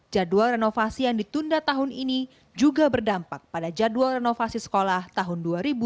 jadwal renovasi yang ditunda tahun ini juga berdampak pada jadwal renovasi sekolah tahun dua ribu dua puluh